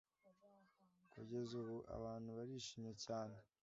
Kugeza ubu abantu barishimye cyane